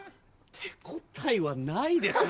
手応えはないですね。